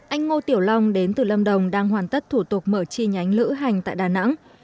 anh ngô tiểu long đến từ lâm đồng đang hoàn tất thủ tục mở chi nhánh lữ hành tại đà nẵng